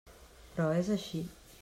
Però és així.